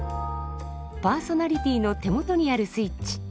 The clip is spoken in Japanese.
パーソナリティーの手元にあるスイッチ